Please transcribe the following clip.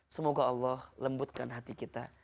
semoga allah lembutkan hati kita